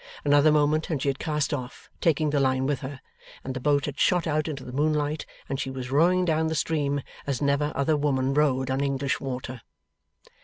Another moment, and she had cast off (taking the line with her), and the boat had shot out into the moonlight, and she was rowing down the stream as never other woman rowed on English water.